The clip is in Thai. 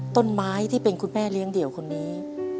ต้นไม้ที่เป็นคุณแม่เลี้ยงเดี่ยวคนนี้